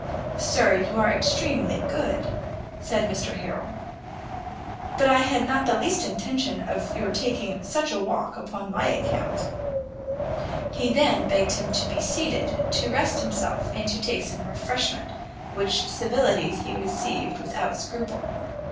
"Sir, you are extremely good," said Mr Harrel, "but I had not the least intention of your taking such a walk upon my account." He then begged him to be seated, to rest himself, and to take some refreshment; which civilities he received without scruple.